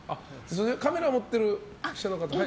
カメラを持っている記者の方。